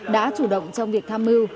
đã chủ động trong việc tham mưu